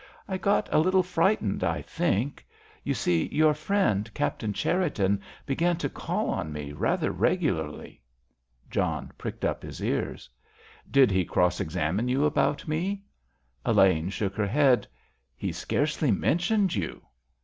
"I got a little frightened, I think. You see, your friend, Captain Cherriton, began to call on me rather regularly." John pricked up his ears. "Did he cross examine you about me?" Elaine shook her head. "He scarcely mentioned you."